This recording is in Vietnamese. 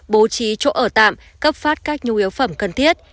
bố trí chỗ ở tạm cấp phát các nhu yếu phẩm cần thiết